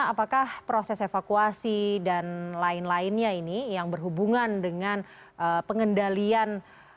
apakah proses evakuasi dan lain lainnya ini yang berhubungan dengan pengendalian